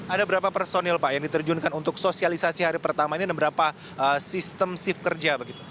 ada berapa personil pak yang diterjunkan untuk sosialisasi hari pertama ini dan berapa sistem shift kerja